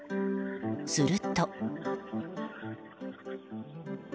すると。